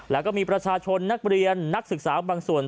แล้วก็มีประชาชนนักเรียนนักศึกษาบางส่วน